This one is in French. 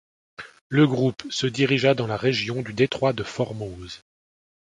Le groupe se dirigea dans la région du détroit de Formose.